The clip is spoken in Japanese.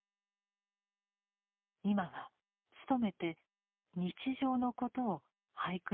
今は努めて日常のことを俳句に詠もうとしています。